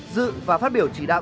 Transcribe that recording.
dự và phát biểu chỉ đạo